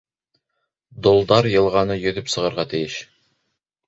— Долдар йылғаны йөҙөп сығырға тейеш.